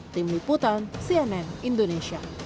tim liputan cnn indonesia